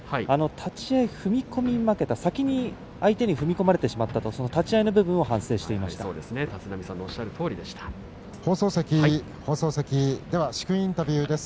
立ち合い、踏み込み負けた先に相手に踏み込まれてしまったと、その立ち合いの部分を殊勲インタビューです。